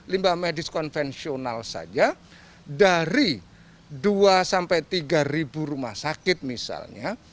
limbah medis konvensional saja dari dua sampai tiga rumah sakit misalnya